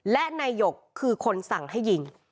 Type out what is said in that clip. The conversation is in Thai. และนายหยกคือคนสั่งให้ยิง